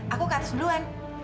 aku ke atas duluan